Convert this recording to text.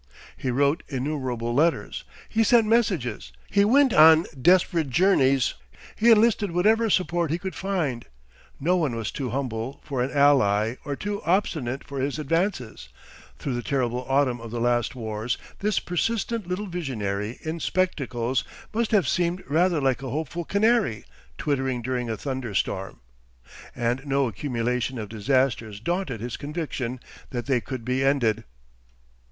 He wrote innumerable letters, he sent messages, he went desperate journeys, he enlisted whatever support he could find; no one was too humble for an ally or too obstinate for his advances; through the terrible autumn of the last wars this persistent little visionary in spectacles must have seemed rather like a hopeful canary twittering during a thunderstorm. And no accumulation of disasters daunted his conviction that they could be ended.